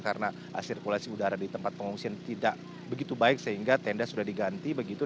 karena sirkulasi udara di tempat pengungsian tidak begitu baik sehingga tenda sudah diganti begitu